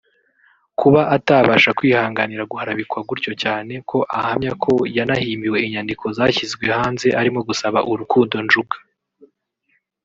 Kuba atabasha kwihanganira guharabikwa gutyo cyane ko ahamya ko yanahimbiwe inyandiko zashyizwe hanze arimo gusaba urukundo Njuga